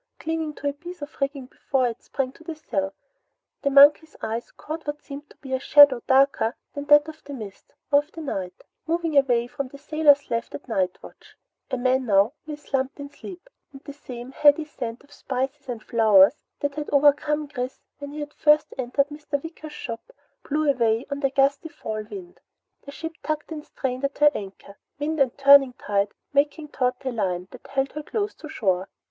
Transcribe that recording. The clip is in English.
Clinging to a piece of rigging before it sprang to the sill, the monkey's eyes caught what seemed to be a shadow darker than that of the mist or of the night, moving away from the sailor left at night watch. The man now lay slumped in sleep, and the same heady scent of spices and flowers that had overcome Chris when he had first entered Mr. Wicker's shop blew away on the gusty fall wind. The ship tugged and strained at her anchor, wind and turning tide making taut the line that held her close to shore.